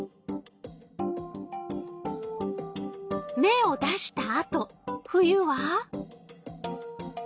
芽を出したあと冬は？